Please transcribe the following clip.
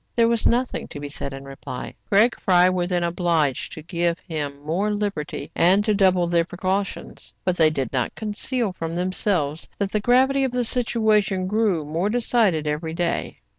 There was nothing to be said in reply. Craig Fry were then obliged to give him more liberty, and to double their precautions. But they did not conceal from themselves that the gravity of the situation grew more decided every day.